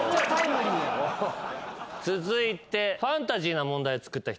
続いて。